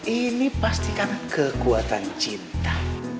ini pasti karena kekuatan cinta